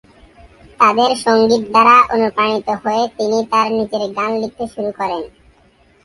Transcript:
তাদের সঙ্গীত দ্বারা অনুপ্রাণিত হয়ে তিনি তার নিজের গান লিখতে শুরু করেন।